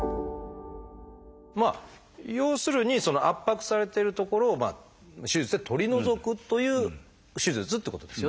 要するにその圧迫されてる所を手術で取り除くという手術ってことですよね。